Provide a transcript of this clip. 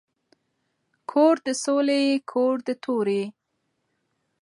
کور د ســــولي کـــــور د تَُوري